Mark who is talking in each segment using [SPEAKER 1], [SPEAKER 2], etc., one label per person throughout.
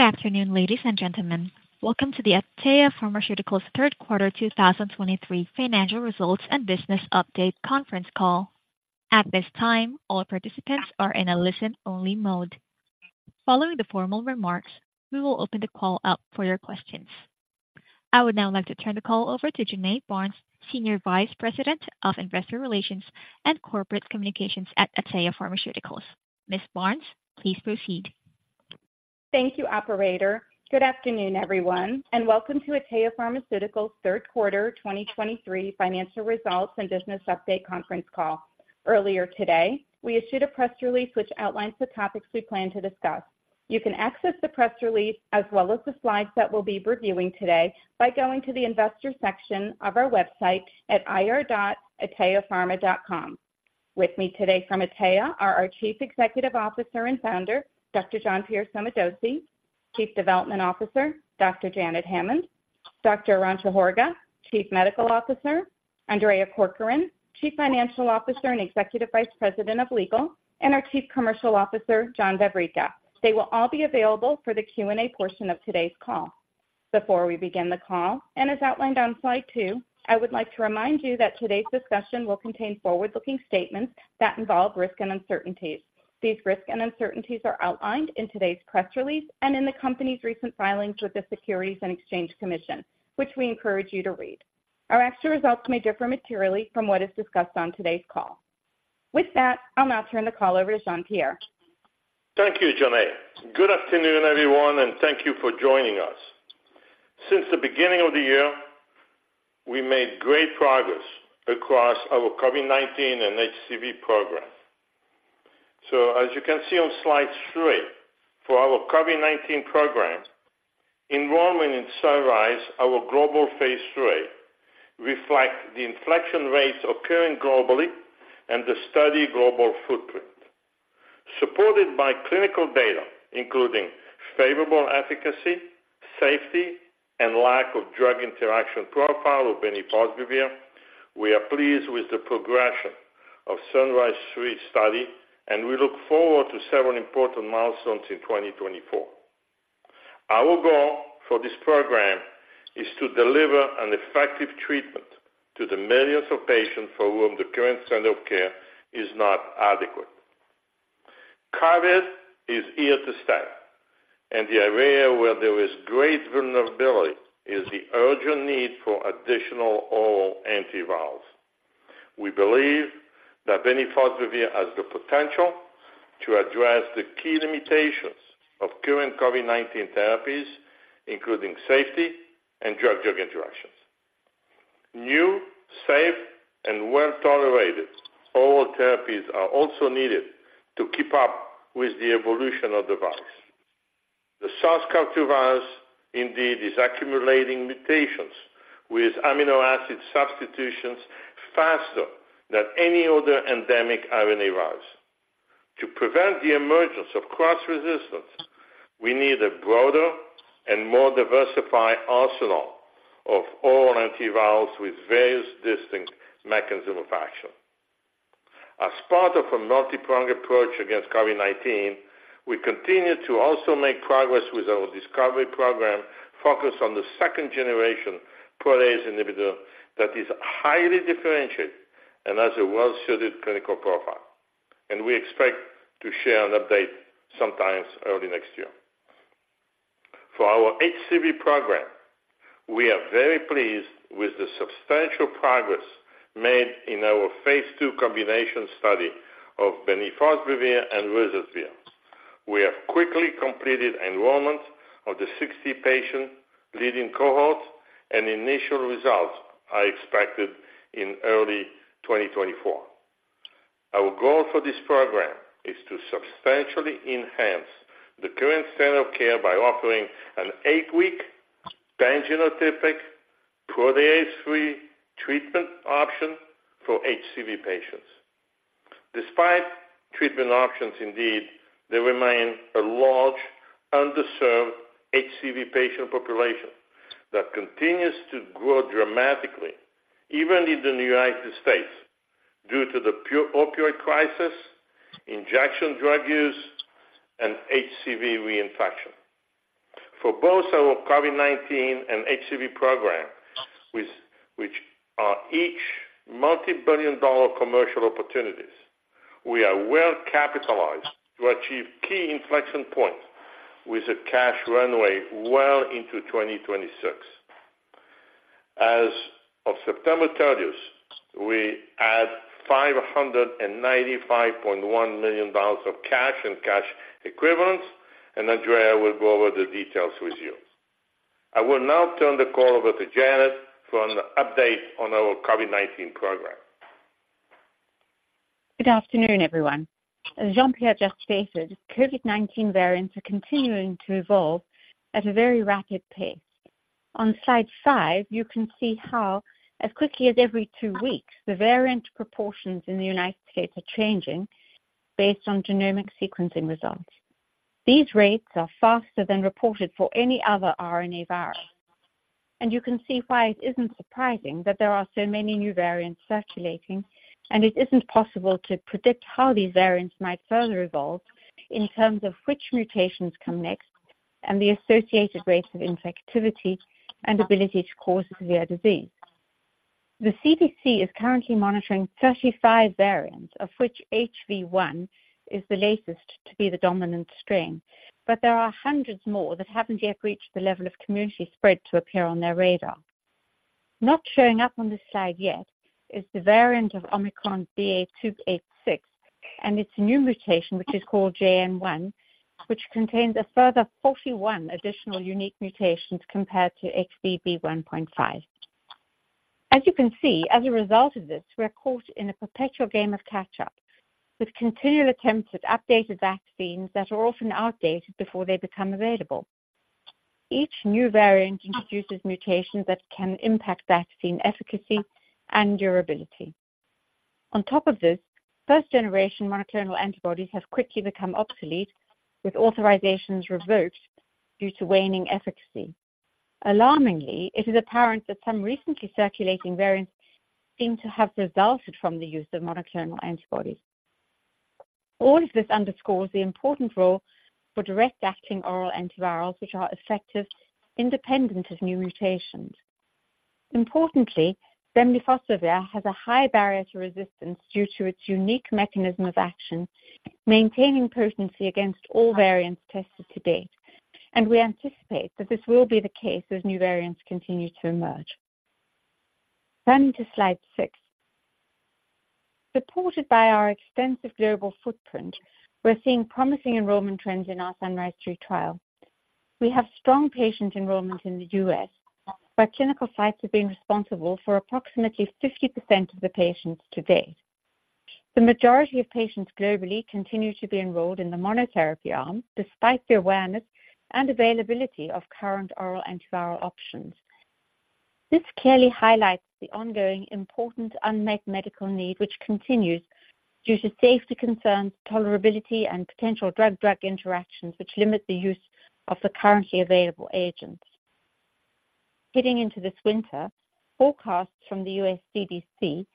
[SPEAKER 1] Good afternoon, ladies and gentlemen. Welcome to the Atea Pharmaceuticals Q3 2023 Financial Results and Business Update Conference Call. At this time, all participants are in a listen-only mode. Following the formal remarks, we will open the call up for your questions. I would now like to turn the call over to Jonae Barnes, Senior Vice President of Investor Relations and Corporate Communications at Atea Pharmaceuticals. Ms. Barnes, please proceed.
[SPEAKER 2] Thank you, operator. Good afternoon, everyone, and welcome to Atea Pharmaceuticals Q3 2023 Financial Results and Business Update Conference Call. Earlier today, we issued a press release which outlines the topics we plan to discuss. You can access the press release as well as the slides that we'll be reviewing today by going to the investor section of our website at ir.ateapharma.com. With me today from Atea are our Chief Executive Officer and Founder, Dr. Jean-Pierre Sommadossi; Chief Development Officer, Dr. Janet Hammond; Dr. Arantxa Horga, Chief Medical Officer; Andrea Corcoran, Chief Financial Officer and Executive Vice President of Legal; and our Chief Commercial Officer, John Vavricka. They will all be available for the Q&A portion of today's call. Before we begin the call, and as outlined on slide two, I would like to remind you that today's discussion will contain forward-looking statements that involve risk and uncertainties. These risks and uncertainties are outlined in today's press release and in the company's recent filings with the Securities and Exchange Commission, which we encourage you to read. Our actual results may differ materially from what is discussed on today's call. With that, I'll now turn the call over to Jean-Pierre.
[SPEAKER 3] Thank you, Jonae. Good afternoon, everyone, and thank you for joining us. Since the beginning of the year, we made great progress across our COVID-19 and HCV programs. As you can see on slide three, for our COVID-19 programs, enrollment in SUNRISE-3, our global phase III, reflects the infection rates occurring globally and the study's global footprint. Supported by clinical data, including favorable efficacy, safety, and lack of drug interaction profile of bemnifosbuvir, we are pleased with the progression of the SUNRISE-3 study, and we look forward to several important milestones in 2024. Our goal for this program is to deliver an effective treatment to the millions of patients for whom the current standard of care is not adequate. COVID is here to stay, and the area where there is great vulnerability is the urgent need for additional oral antivirals. We believe that bemnifosbuvir has the potential to address the key limitations of current COVID-19 therapies, including safety and drug-drug interactions. New, safe, and well-tolerated oral therapies are also needed to keep up with the evolution of the virus. The SARS-CoV-2 virus indeed is accumulating mutations with amino acid substitutions faster than any other endemic RNA virus. To prevent the emergence of cross-resistance, we need a broader and more diversified arsenal of oral antivirals with various distinct mechanisms of action. As part of a multipronged approach against COVID-19, we continue to also make progress with our discovery program focused on the second-generation protease inhibitor that is highly differentiated and has a well-suited clinical profile, and we expect to share an update sometime early next year. For our HCV program, we are very pleased with the substantial progress made in our phase II combination study of bemnifosbuvir and ruzasvir. We have quickly completed enrollment of the 60-patient lead-in cohort, and initial results are expected in early 2024. Our goal for this program is to substantially enhance the current standard of care by offering an eight-week pangenotypic, protease-free treatment option for HCV patients. Despite treatment options, indeed, there remain a large underserved HCV patient population that continues to grow dramatically, even in the United States, due to the opioid crisis, injection drug use, and HCV reinfection. For both our COVID-19 and HCV program, which are each multi-billion-dollar commercial opportunities, we are well capitalized to achieve key inflection points with a cash runway well into 2026. As of September 30, we had $595.1 million of cash and cash equivalents, and Andrea will go over the details with you. I will now turn the call over to Janet for an update on our COVID-19 program.
[SPEAKER 4] Good afternoon, everyone. As Jean-Pierre just stated, COVID-19 variants are continuing to evolve at a very rapid pace. On slide five, you can see how as quickly as every two weeks, the variant proportions in the United States are changing based on genomic sequencing results. These rates are faster than reported for any other RNA virus, and you can see why it isn't surprising that there are so many new variants circulating, and it isn't possible to predict how these variants might further evolve in terms of which mutations come next and the associated rates of infectivity and ability to cause severe disease. The CDC is currently monitoring 35 variants, of which HV.1 is the latest to be the dominant strain, but there are hundreds more that haven't yet reached the level of community spread to appear on their radar. Not showing up on this slide yet is the variant of Omicron, BA.2.86, and its new mutation, which is called JN.1, which contains a further 41 additional unique mutations compared to XBB.1.5. As you can see, as a result of this, we are caught in a perpetual game of catch up, with continual attempts at updated vaccines that are often outdated before they become available. Each new variant introduces mutations that can impact vaccine efficacy and durability. On top of this, first-generation monoclonal antibodies have quickly become obsolete, with authorizations reversed due to waning efficacy. Alarmingly, it is apparent that some recently circulating variants seem to have resulted from the use of monoclonal antibodies. All of this underscores the important role for direct-acting oral antivirals, which are effective independent of new mutations. Importantly, bemnifosbuvir has a high barrier to resistance due to its unique mechanism of action, maintaining potency against all variants tested to date, and we anticipate that this will be the case as new variants continue to emerge. Turning to slide six. Supported by our extensive global footprint, we're seeing promising enrollment trends in our SUNRISE-3 trial. We have strong patient enrollment in the U.S., where clinical sites have been responsible for approximately 50% of the patients to date. The majority of patients globally continue to be enrolled in the monotherapy arm, despite the awareness and availability of current oral antiviral options. This clearly highlights the ongoing important unmet medical need, which continues due to safety concerns, tolerability, and potential drug-drug interactions, which limit the use of the currently available agents. Heading into this winter, forecasts from the U.S. CDC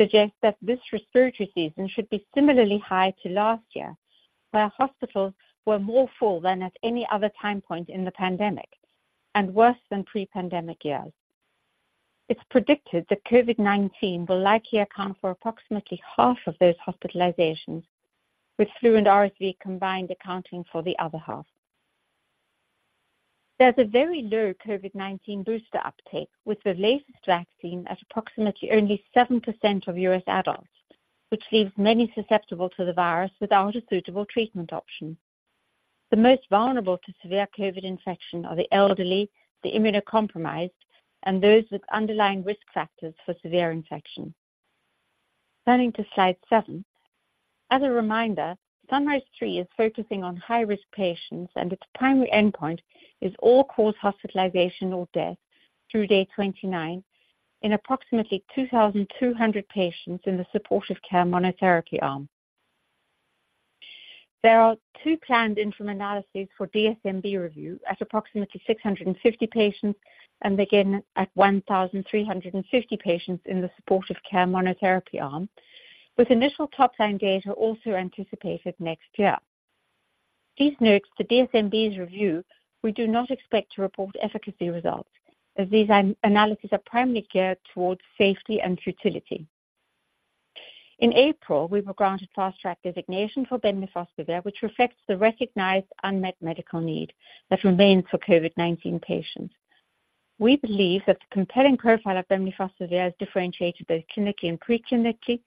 [SPEAKER 4] suggest that this respiratory season should be similarly high to last year, where hospitals were more full than at any other time point in the pandemic and worse than pre-pandemic years. It's predicted that COVID-19 will likely account for approximately half of those hospitalizations, with flu and RSV combined, accounting for the other half. There's a very low COVID-19 booster uptake, with the latest vaccine at approximately only 7% of U.S. adults, which leaves many susceptible to the virus without a suitable treatment option. The most vulnerable to severe COVID infection are the elderly, the immunocompromised, and those with underlying risk factors for severe infection. Turning to slide seven. As a reminder, SUNRISE-3 is focusing on high-risk patients, and its primary endpoint is all-cause hospitalization or death through day 29 in approximately 2,200 patients in the supportive care monotherapy arm. There are two planned interim analyses for DSMB review at approximately 650 patients, and again at 1,350 patients in the supportive care monotherapy arm, with initial top-line data also anticipated next year. These notes, the DSMB's review, we do not expect to report efficacy results, as these analyses are primarily geared towards safety and futility. In April, we were granted Fast Track designation for bemnifosbuvir, which reflects the recognized unmet medical need that remains for COVID-19 patients. We believe that the compelling profile of bemnifosbuvir is differentiated, both clinically and pre-clinically,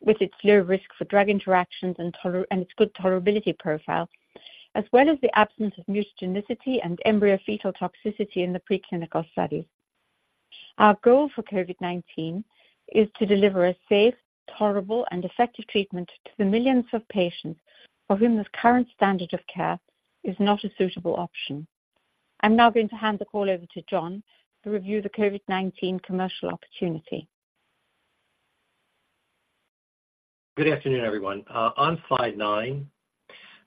[SPEAKER 4] with its low risk for drug interactions and toler and its good tolerability profile, as well as the absence of mutagenicity and embryo-fetal toxicity in the preclinical studies. Our goal for COVID-19 is to deliver a safe, tolerable, and effective treatment to the millions of patients for whom this current standard of care is not a suitable option. I'm now going to hand the call over to John to review the COVID-19 commercial opportunity.
[SPEAKER 5] Good afternoon, everyone. On slide nine,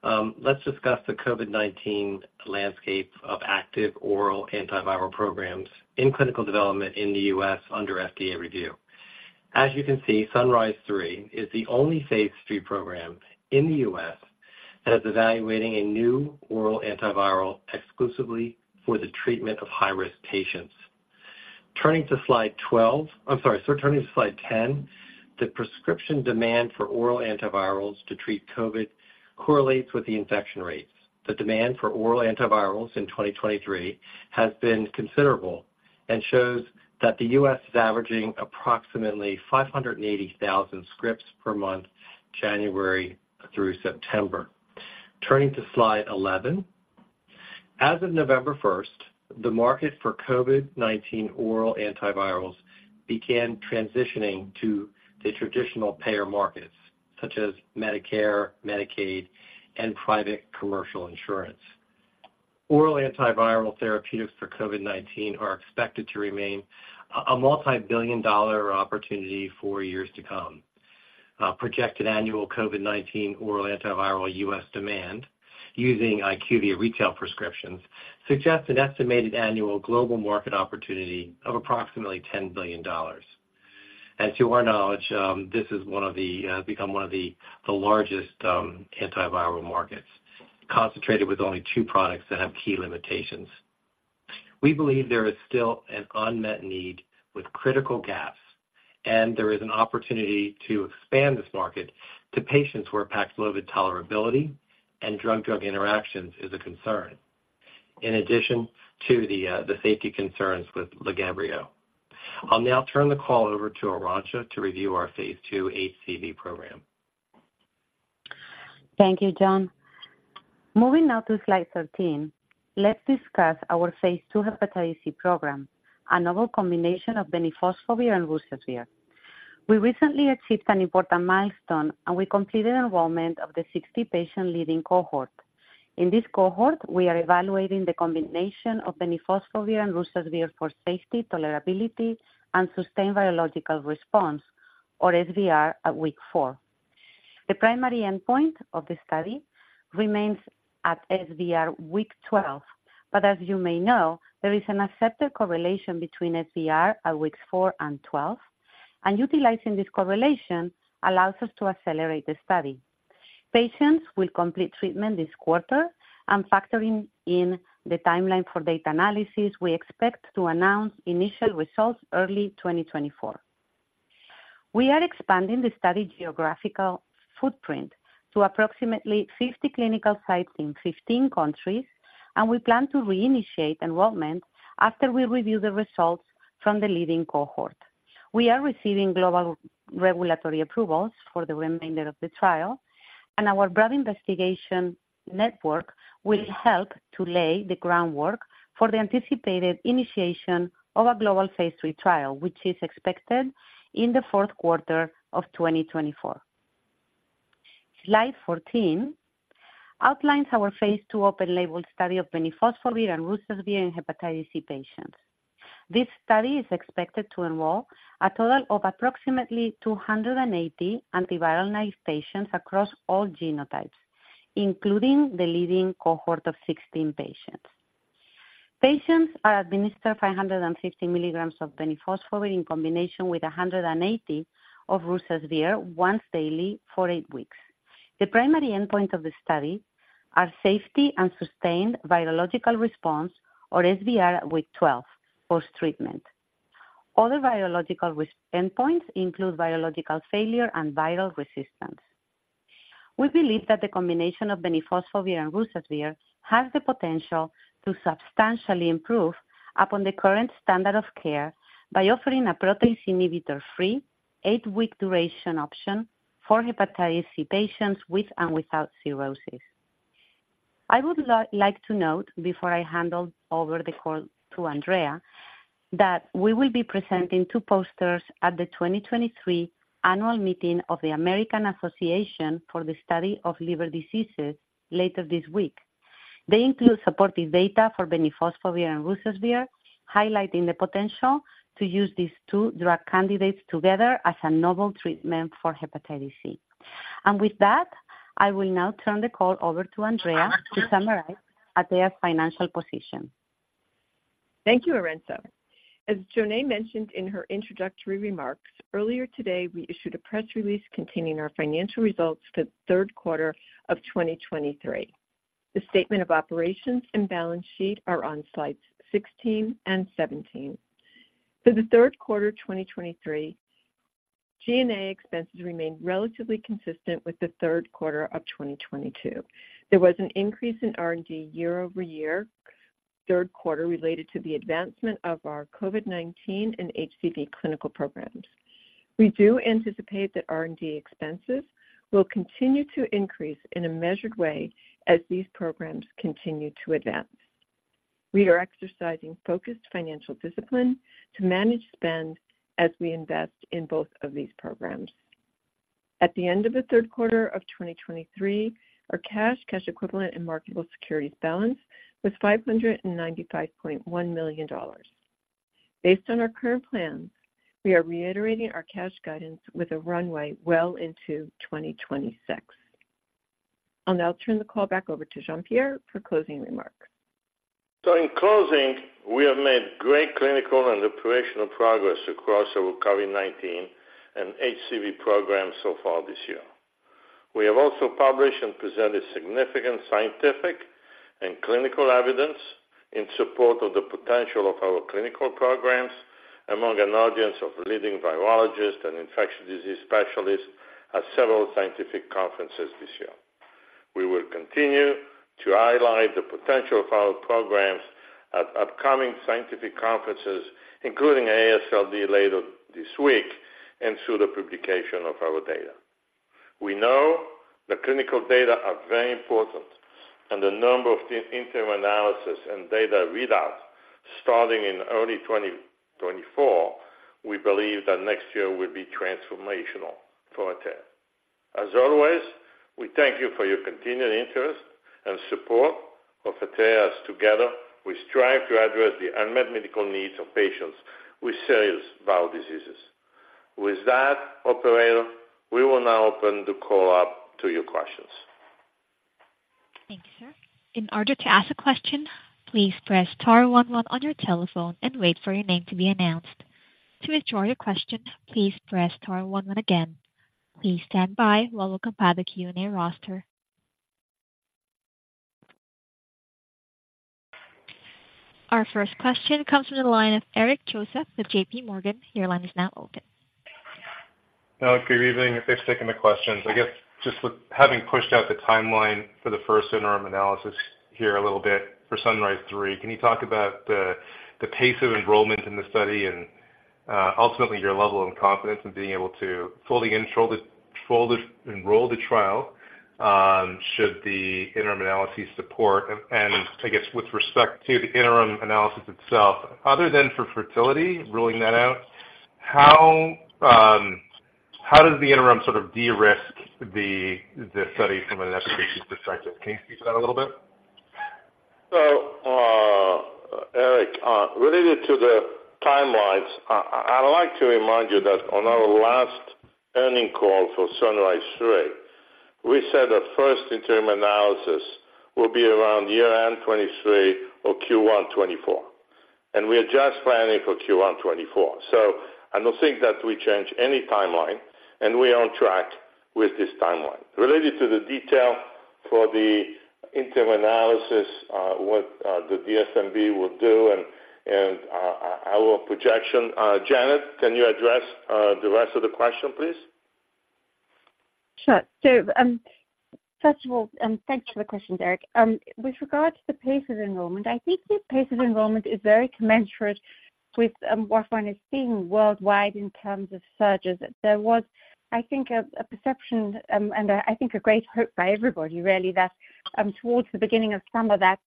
[SPEAKER 5] let's discuss the COVID-19 landscape of active oral antiviral programs in clinical development in the U.S. under FDA review. As you can see, SUNRISE-3 is the only phase III program in the U.S. that is evaluating a new oral antiviral exclusively for the treatment of high-risk patients. Turning to slide 12. I'm sorry, so turning to slide 10, the prescription demand for oral antivirals to treat COVID correlates with the infection rates. The demand for oral antivirals in 2023 has been considerable and shows that the U.S. is averaging approximately 580,000 scripts per month, January through September. Turning to slide 11. As of November 1st, the market for COVID-19 oral antivirals began transitioning to the traditional payer markets, such as Medicare, Medicaid, and private commercial insurance. Oral antiviral therapeutics for COVID-19 are expected to remain a multibillion-dollar opportunity for years to come. Projected annual COVID-19 oral antiviral U.S. demand using IQVIA retail prescriptions suggests an estimated annual global market opportunity of approximately $10 billion. To our knowledge, this has become one of the largest antiviral markets, concentrated with only two products that have key limitations. We believe there is still an unmet need with critical gaps, and there is an opportunity to expand this market to patients where Paxlovid tolerability and drug-drug interactions is a concern, in addition to the safety concerns with Lagevrio. I'll now turn the call over to Arantxa to review our phase II HCV program.
[SPEAKER 6] Thank you, John. Moving now to slide 13, let's discuss our phase II hepatitis C program, a novel combination of bemnifosbuvir and ruzasvir. We recently achieved an important milestone, and we completed enrollment of the 60-patient lead-in cohort. In this cohort, we are evaluating the combination of bemnifosbuvir and ruzasvir for safety, tolerability, and sustained virological response, or SVR, at week four. The primary endpoint of the study remains at SVR week 12, but as you may know, there is an accepted correlation between SVR at weeks four and 12, and utilizing this correlation allows us to accelerate the study. Patients will complete treatment this quarter, and factoring in the timeline for data analysis, we expect to announce initial results early 2024. We are expanding the study geographical footprint to approximately 50 clinical sites in 15 countries, and we plan to reinitiate enrollment after we review the results from the lead-in cohort. We are receiving global regulatory approvals for the remainder of the trial, and our broad investigation network will help to lay the groundwork for the anticipated initiation of a global phase III trial, which is expected in the Q4 of 2024. Slide 14 outlines our phase II open label study of bemnifosbuvir and ruzasvir in hepatitis C patients. This study is expected to enroll a total of approximately 280 antiviral naive patients across all genotypes, including the lead-in cohort of 16 patients. Patients are administered 550 mg of bemnifosbuvir in combination with 180 mg of ruzasvir once daily for eight weeks. The primary endpoint of the study are safety and sustained virological response, or SVR at week 12, post-treatment. Other virological response endpoints include virological failure and viral resistance. We believe that the combination of bemnifosbuvir and ruzasvir has the potential to substantially improve upon the current standard of care by offering a protease inhibitor-free, 8-week duration option for hepatitis C patients with and without cirrhosis. I would like to note, before I hand over the call to Andrea, that we will be presenting 2 posters at the 2023 Annual Meeting of the American Association for the Study of Liver Diseases later this week. They include supportive data for bemnifosbuvir and ruzasvir, highlighting the potential to use these two drug candidates together as a novel treatment for hepatitis C. With that, I will now turn the call over to Andrea to summarize Atea's financial position.
[SPEAKER 7] Thank you, Arantxa. As Jonae mentioned in her introductory remarks, earlier today, we issued a press release containing our financial results for the Q3 of 2023. The statement of operations and balance sheet are on slides 16 and 17. For the Q3 2023, G&A expenses remained relatively consistent with the Q3 of 2022. There was an increase in R&D year-over-year, Q3, related to the advancement of our COVID-19 and HCV clinical programs. We do anticipate that R&D expenses will continue to increase in a measured way as these programs continue to advance. We are exercising focused financial discipline to manage spend as we invest in both of these programs. At the end of the Q3 of 2023, our cash, cash equivalent and marketable securities balance was $595.1 million. Based on our current plans, we are reiterating our cash guidance with a runway well into 2026. I'll now turn the call back over to Jean-Pierre for closing remarks.
[SPEAKER 3] So in closing, we have made great clinical and operational progress across our COVID-19 and HCV programs so far this year. We have also published and presented significant scientific and clinical evidence in support of the potential of our clinical programs among an audience of leading virologists and infectious disease specialists at several scientific conferences this year. We will continue to highlight the potential of our programs at upcoming scientific conferences, including AASLD later this week, and through the publication of our data. We know the clinical data are very important, and the number of these interim analysis and data readouts starting in early 2024, we believe that next year will be transformational for Atea. As always, we thank you for your continued interest and support of Atea. Together, we strive to address the unmet medical needs of patients with serious viral diseases. With that, operator, we will now open the call up to your questions.
[SPEAKER 1] Thank you, sir. In order to ask a question, please press star one on your telephone and wait for your name to be announced. To withdraw your question, please press star one one again. Please stand by while we compile the Q&A roster. Our first question comes from the line of Eric Joseph with JPMorgan. Your line is now open.
[SPEAKER 8] Well, good evening. Thanks for taking the questions. I guess just with having pushed out the timeline for the first interim analysis here a little bit for SUNRISE-3, can you talk about the pace of enrollment in the study and ultimately your level of confidence in being able to fully enroll the trial should the interim analysis support? And I guess with respect to the interim analysis itself, other than for futility, ruling that out, how does the interim sort of de-risk the study from an efficacy perspective? Can you speak to that a little bit?
[SPEAKER 3] So, Eric, related to the timelines, I'd like to remind you that on our last earnings call for SUNRISE-3, we said the first interim analysis will be around year-end 2023 or Q1 2024, and we are just planning for Q1 2024. So I don't think that we change any timeline, and we are on track with this timeline. Related to the detail for the interim analysis, what the DSMB will do and our projection, Janet, can you address the rest of the question, please?
[SPEAKER 4] Sure. So, first of all, thanks for the question, Eric. With regard to the pace of enrollment, I think the pace of enrollment is very commensurate with what one is seeing worldwide in terms of surges. There was, I think, a perception, and I think a great hope by everybody, really, that towards the beginning of summer, that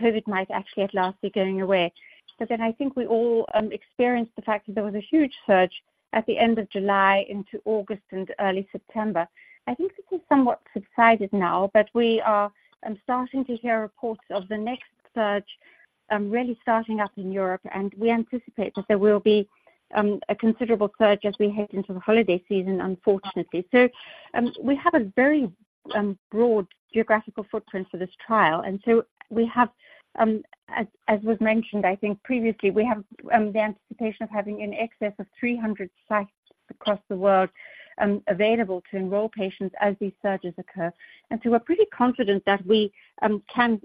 [SPEAKER 4] COVID might actually at last be going away. But then I think we all experienced the fact that there was a huge surge at the end of July into August and early September. I think this is somewhat subsided now, but we are starting to hear reports of the next surge really starting up in Europe, and we anticipate that there will be a considerable surge as we head into the holiday season, unfortunately. So, we have a very broad geographical footprint for this trial, and so we have, as was mentioned, I think previously, we have the anticipation of having in excess of 300 sites across the world, available to enroll patients as these surges occur. And so we're pretty confident that we can,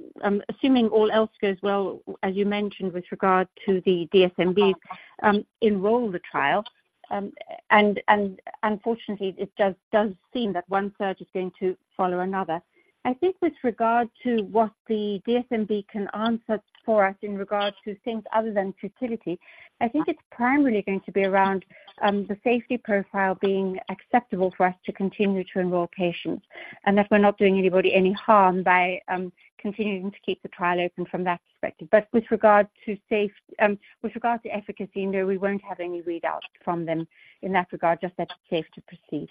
[SPEAKER 4] assuming all else goes well, as you mentioned, with regard to the DSMBs, enroll the trial. And unfortunately, it does seem that one surge is going to follow another. I think with regard to what the DSMB can answer for us in regards to things other than futility, I think it's primarily going to be around the safety profile being acceptable for us to continue to enroll patients, and that we're not doing anybody any harm by continuing to keep the trial open from that perspective. But with regard to efficacy, no, we won't have any readout from them in that regard, just that it's safe to proceed.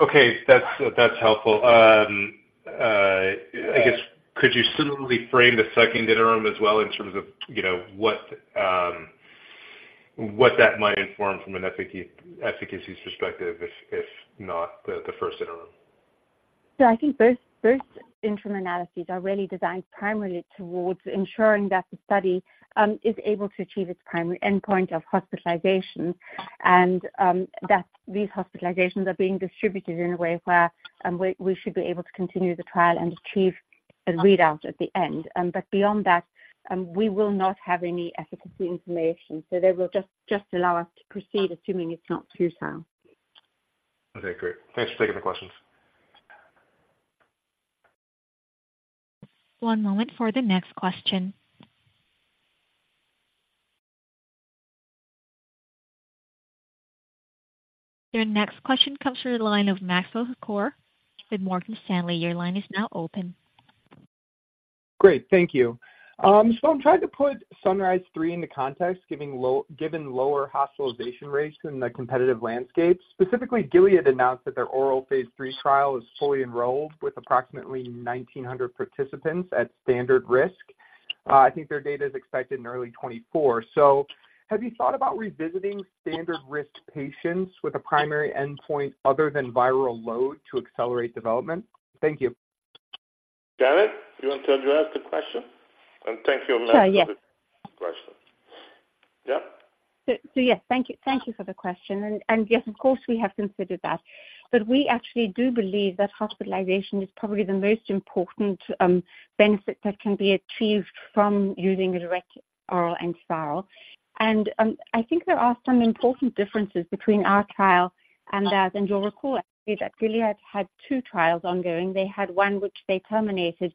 [SPEAKER 8] Okay, that's helpful. I guess could you similarly frame the second interim as well in terms of, you know, what that might inform from an efficacy perspective, if not the first interim?
[SPEAKER 4] So I think first interim analyses are really designed primarily towards ensuring that the study is able to achieve its primary endpoint of hospitalizations, and that these hospitalizations are being distributed in a way where we should be able to continue the trial and achieve a readout at the end. But beyond that, we will not have any efficacy information, so they will just allow us to proceed, assuming it's not too soon.
[SPEAKER 8] Okay, great. Thanks for taking the questions.
[SPEAKER 1] One moment for the next question. Your next question comes from the line of Maxwell Skor with Morgan Stanley. Your line is now open.
[SPEAKER 9] Great, thank you. So I'm trying to put SUNRISE-3 into context, given lower hospitalization rates than the competitive landscape. Specifically, Gilead announced that their oral phase III trial is fully enrolled with approximately 1,900 participants at standard risk. I think their data is expected in early 2024. So have you thought about revisiting standard risk patients with a primary endpoint other than viral load to accelerate development? Thank you.
[SPEAKER 3] Janet, do you want to address the question? Thank you, Maxwell-
[SPEAKER 4] Sure, yes.
[SPEAKER 3] For the question. Yeah?
[SPEAKER 4] Yes, thank you, thank you for the question. And yes, of course, we have considered that, but we actually do believe that hospitalization is probably the most important benefit that can be achieved from using a direct oral antiviral. And I think there are some important differences between our trial and ours. And you'll recall actually, that Gilead had two trials ongoing. They had one which they terminated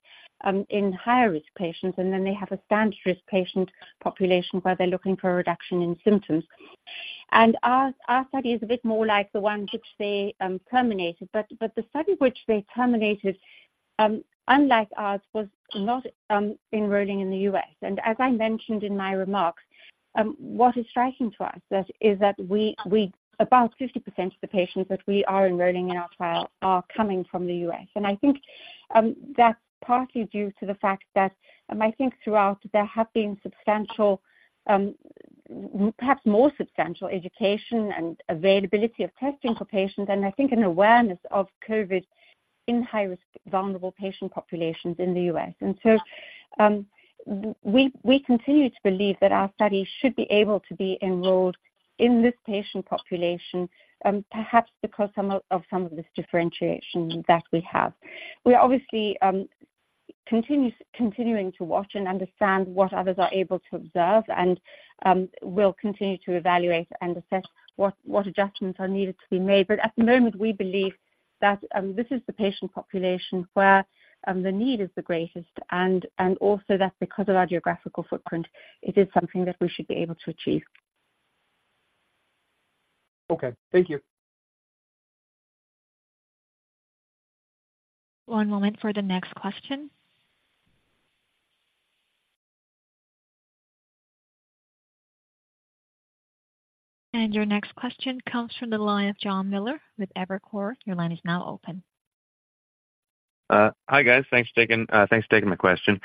[SPEAKER 4] in higher-risk patients, and then they have a standard risk patient population, where they're looking for a reduction in symptoms. And our study is a bit more like the one which they terminated, but the study which they terminated, unlike ours, was not enrolling in the U.S. As I mentioned in my remarks, what is striking to us is that about 50% of the patients that we are enrolling in our trial are coming from the US. And I think that's partly due to the fact that I think throughout there have been substantial, perhaps more substantial education and availability of testing for patients, and I think an awareness of COVID in high-risk, vulnerable patient populations in the US. And so we continue to believe that our study should be able to be enrolled in this patient population, perhaps because some of this differentiation that we have. We are obviously continuing to watch and understand what others are able to observe and we'll continue to evaluate and assess what adjustments are needed to be made. But at the moment, we believe that this is the patient population where the need is the greatest, and also that because of our geographical footprint, it is something that we should be able to achieve.
[SPEAKER 9] Okay. Thank you.
[SPEAKER 1] One moment for the next question. Your next question comes from the line of Jon Miller with Evercore. Your line is now open.
[SPEAKER 10] Hi, guys. Thanks for taking my question.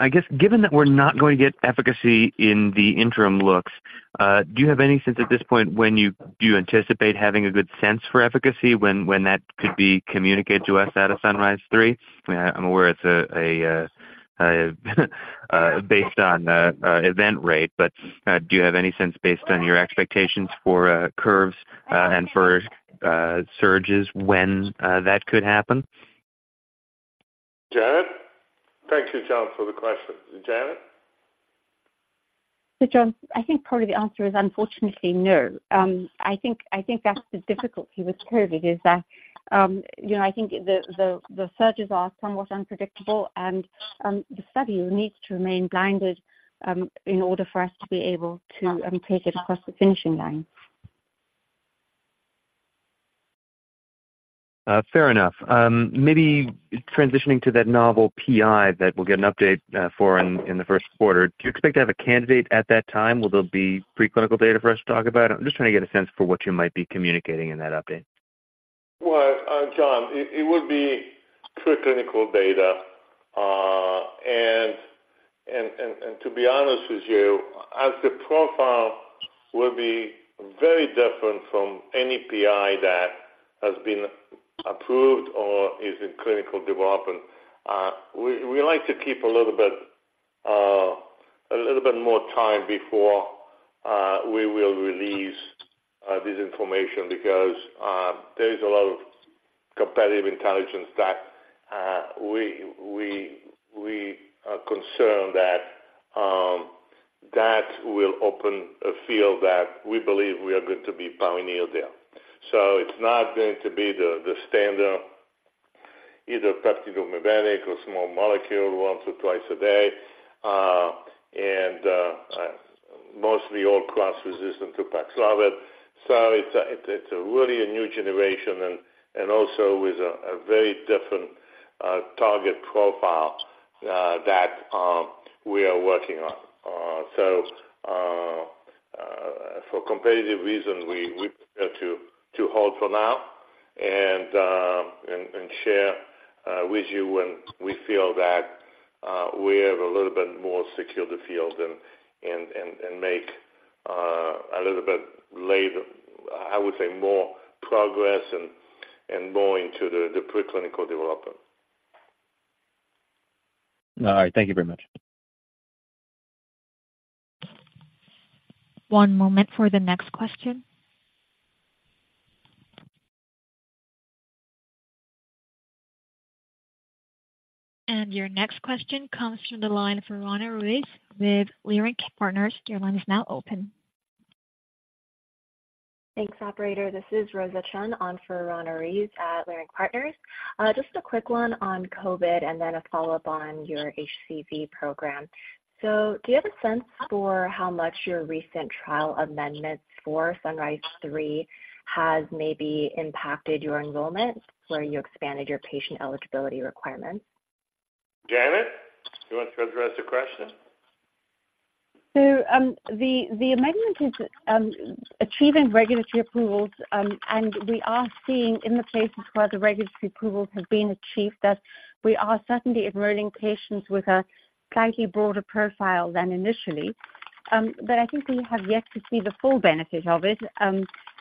[SPEAKER 10] I guess, given that we're not going to get efficacy in the interim looks, do you have any sense at this point when you anticipate having a good sense for efficacy, when that could be communicated to us out of SUNRISE-3? I'm aware it's based on event rate, but do you have any sense, based on your expectations for curves and for surges, when that could happen?
[SPEAKER 3] Janet? Thanks to Jon for the question. Janet?
[SPEAKER 4] So John, I think probably the answer is unfortunately, no. I think that's the difficulty with COVID, is that, you know, I think the surges are somewhat unpredictable and, the study needs to remain blinded, in order for us to be able to, take it across the finishing line.
[SPEAKER 10] Fair enough. Maybe transitioning to that novel PI that we'll get an update for in the first quarter. Do you expect to have a candidate at that time? Will there be preclinical data for us to talk about? I'm just trying to get a sense for what you might be communicating in that update.
[SPEAKER 3] Well, Jon, it would be preclinical data. And to be honest with you, as the profile will be very different from any PI that has been approved or is in clinical development, we like to keep a little bit more time before we will release this information because there is a lot of competitive intelligence that we are concerned that will open a field that we believe we are going to be pioneer there. So it's not going to be the standard, either peptidomimetic or small molecule, once or twice a day, and mostly all cross-resistant to Paxlovid. So it's really a new generation and also with a very different target profile that we are working on. So, for competitive reasons, we prefer to hold for now and share with you when we feel that we have a little bit more secure the field and make a little bit later, I would say, more progress and more into the preclinical development.
[SPEAKER 10] All right. Thank you very much.
[SPEAKER 1] One moment for the next question. Your next question comes from the line of Roanna Ruiz with Leerink Partners. Your line is now open.
[SPEAKER 11] Thanks, operator. This is Rosa Chen on for Roanna Ruiz at Leerink Partners. Just a quick one on COVID and then a follow-up on your HCV program. So do you have a sense for how much your recent trial amendments for SUNRISE-3 has maybe impacted your enrollment, where you expanded your patient eligibility requirements?
[SPEAKER 3] Janet, do you want to address the question?
[SPEAKER 4] So, the amendment is achieving regulatory approvals, and we are seeing in the places where the regulatory approvals have been achieved, that we are certainly enrolling patients with a slightly broader profile than initially. But I think we have yet to see the full benefit of it,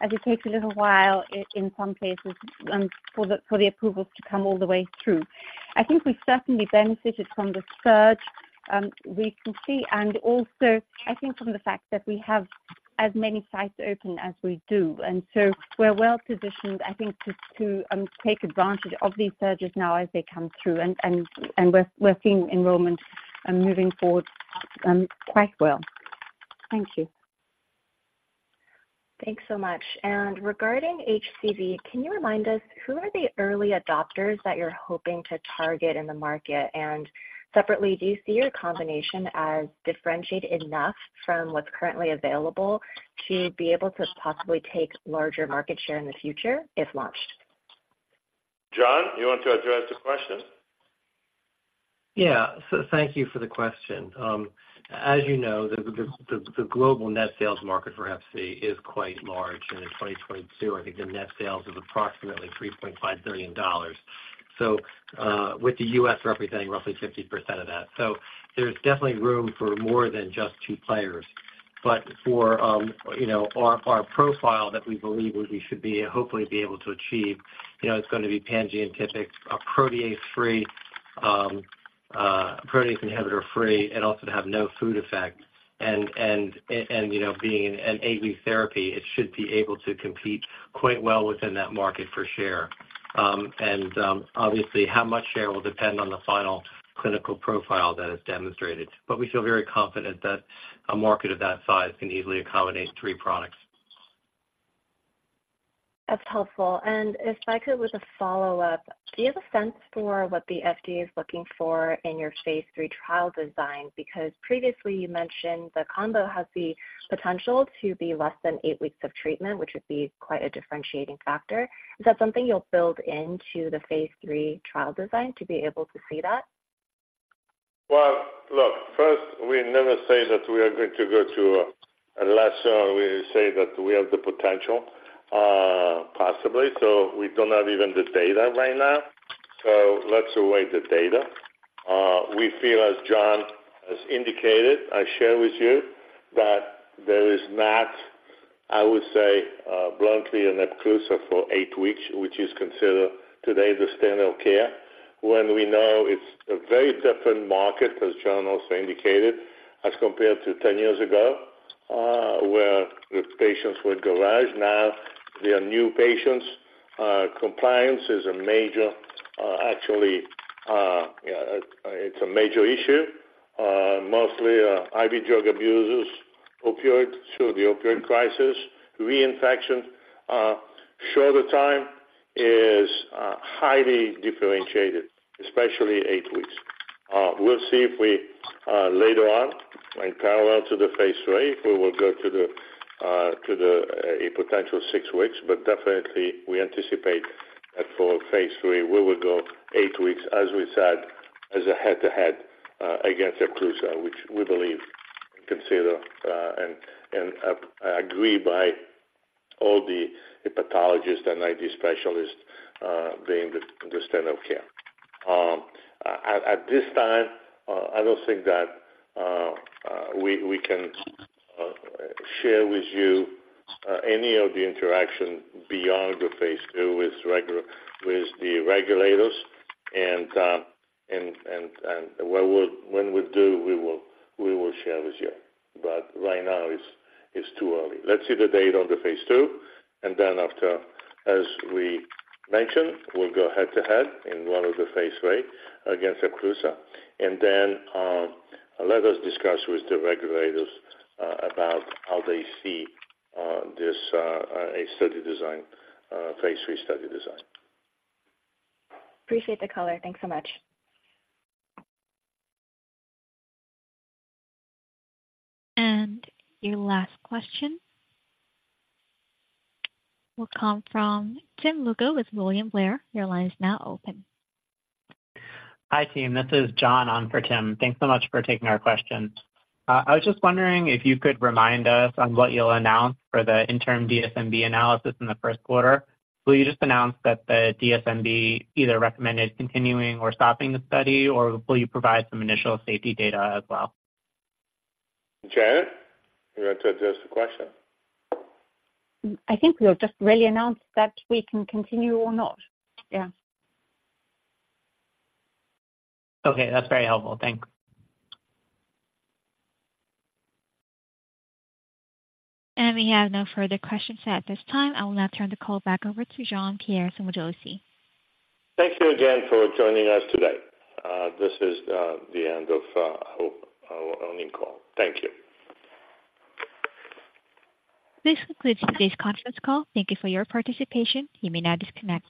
[SPEAKER 4] as it takes a little while in some cases, for the approvals to come all the way through. I think we've certainly benefited from the surge, we can see, and also I think from the fact that we have as many sites open as we do, and so we're well positioned, I think, to take advantage of these surges now as they come through. And we're seeing enrollment moving forward quite well. Thank you.
[SPEAKER 11] Thanks so much. And regarding HCV, can you remind us who are the early adopters that you're hoping to target in the market? And separately, do you see your combination as differentiated enough from what's currently available to be able to possibly take larger market share in the future if launched?
[SPEAKER 3] John, you want to address the question?
[SPEAKER 5] Yeah. So thank you for the question. As you know, the global net sales market for Hep C is quite large, and in 2022, I think the net sales is approximately $3.5 billion. So, with the US representing roughly 50% of that. So there's definitely room for more than just two players. But for, you know, our profile that we believe we should be hopefully be able to achieve, you know, it's going to be pangenotypic, a protease-free, protease inhibitor-free, and also to have no food effect. And, you know, being an 8-week therapy, it should be able to compete quite well within that market for share. And, obviously, how much share will depend on the final clinical profile that is demonstrated. But we feel very confident that a market of that size can easily accommodate three products.
[SPEAKER 11] That's helpful. And if I could, with a follow-up, do you have a sense for what the FDA is looking for in your phase III trial design? Because previously you mentioned the combo has the potential to be less than eight weeks of treatment, which would be quite a differentiating factor. Is that something you'll build into the phase III trial design to be able to see that?
[SPEAKER 3] Well, look, first, we never say that we are going to go to a lesser. We say that we have the potential, possibly, so we don't have even the data right now. So let's await the data. We feel, as John has indicated, I share with you that there is not, I would say, bluntly, an Epclusa for eight weeks, which is considered today the standard of care, when we know it's a very different market, as John also indicated, as compared to 10 years ago, where the patients were rare. Now there are new patients. Compliance is a major, actually, it's a major issue, mostly IV drug abusers, opioids, so the opioid crisis, reinfection. Shorter time is highly differentiated, especially eight weeks. We'll see if we later on, in parallel to the phase III, we will go to a potential 6 weeks, but definitely we anticipate that for phase III, we will go 8 weeks, as we said, as a head-to-head against Epclusa, which we believe, consider and agree by all the hepatologists and HCV specialists being the standard of care. At this time, I don't think that we can share with you any of the interaction beyond the phase II with the regulators and when we do, we will share with you. But right now, it's too early. Let's see the data on the phase II, and then after, as we mentioned, we'll go head-to-head in one of the phase III against Epclusa. And then let us discuss with the regulators about how they see this a study design phase III study design.
[SPEAKER 11] Appreciate the color. Thanks so much.
[SPEAKER 1] Your last question will come from Tim Lugo with William Blair. Your line is now open.
[SPEAKER 12] Hi, team. This is John on for Tim. Thanks so much for taking our questions. I was just wondering if you could remind us on what you'll announce for the interim DSMB analysis in the Q1. Will you just announce that the DSMB either recommended continuing or stopping the study, or will you provide some initial safety data as well?
[SPEAKER 3] Janet, you want to address the question?
[SPEAKER 4] I think we'll just really announce that we can continue or not. Yeah.
[SPEAKER 12] Okay, that's very helpful. Thank you.
[SPEAKER 1] We have no further questions at this time. I will now turn the call back over to Jean-Pierre Sommadossi.
[SPEAKER 3] Thank you again for joining us today. This is the end of our earnings call. Thank you.
[SPEAKER 1] This concludes today's conference call. Thank you for your participation. You may now disconnect.